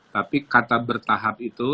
tapi kata bertahap itu